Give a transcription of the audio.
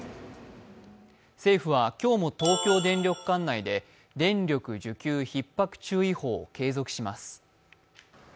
政府は今日も東京電力管内で電力需給ひっ迫注意報を継続します。